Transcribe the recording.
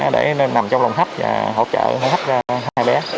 để nằm trong lòng hấp và hỗ trợ hấp ra hai bé